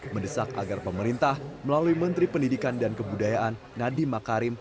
mendesak agar pemerintah melalui menteri pendidikan dan kebudayaan nadiem makarim